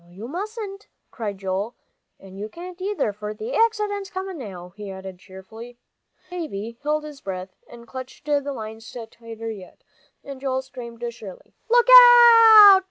"No, you mustn't," cried Joel, "and you can't, either, for th' accident's comin' now," he added cheerfully. Davie held his breath, and clutched the lines tighter yet, and Joel screamed shrilly, "Look out!"